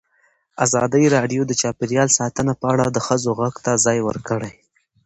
ازادي راډیو د چاپیریال ساتنه په اړه د ښځو غږ ته ځای ورکړی.